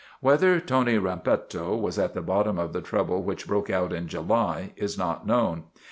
Whether Tony Rampetto was at the bottom of the trouble which broke out in July is not known.